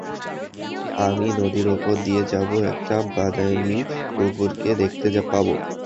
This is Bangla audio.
আমি নদীর উপর দিয়ে যাব, একটা বাদামী কুকুরকে দেখতে পাব।